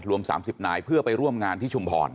รวม๓๐นายเพื่อไปร่วมงานที่ชุมพร